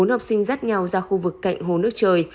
bốn học sinh dắt nhau ra khu vực cạnh hồ nước trời